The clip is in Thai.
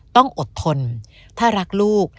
ต้องอดทนถ้ารักลูก